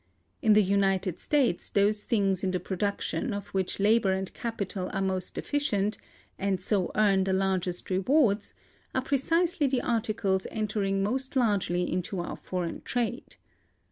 In the United States, those things in the production of which labor and capital are most efficient, and so earn the largest rewards, are precisely the articles entering most largely into our foreign trade.